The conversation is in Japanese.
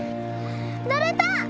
乗れた！